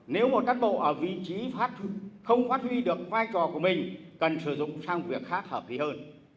nếu một cán bộ ở vị trí không phát huy được vai trò của mình cần sử dụng sang việc khác hợp lý hơn